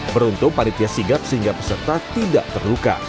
beruntung panitia sigap sehingga peserta tidak terluka